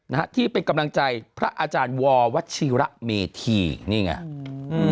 นะฮะที่เป็นกำลังใจพระอาจารย์ววัชิระเมธีนี่ไงอืม